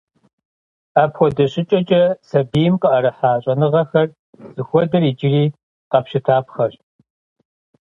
Апхуэдэ щӀыкӀэкӀэ сабийм къыӀэрыхьа щӀэныгъэхэр зыхуэдэр иджыри къэпщытапхъэщ.